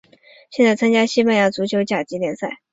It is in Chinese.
现在参加西班牙足球甲级联赛。